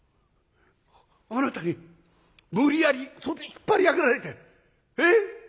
あなたに無理やり袖引っ張り上げられてえっ